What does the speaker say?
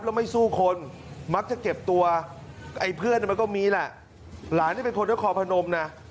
แล้วไม่สู้คนมักจะเก็บตัวไอ้เพื่อนมันก็มีแหละหลานนี่เป็นคนนครพนมนะ